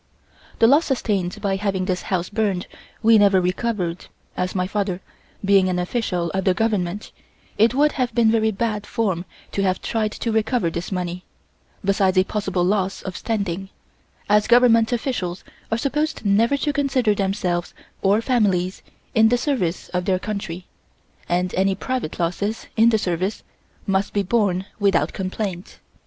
The loss sustained by having this house burned we never recovered, as my father, being an official of the Government, it would have been very bad form to have tried to recover this money, besides a possible loss of standing, as Government officials are supposed never to consider themselves or families in the service of their country, and any private losses in the service must be borne without complaint.